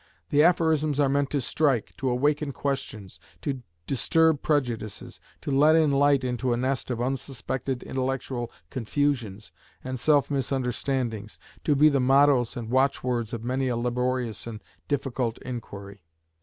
The aphorisms are meant to strike, to awaken questions, to disturb prejudices, to let in light into a nest of unsuspected intellectual confusions and self misunderstandings, to be the mottoes and watchwords of many a laborious and difficult inquiry.